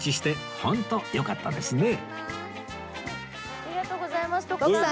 ありがとうございます徳さん。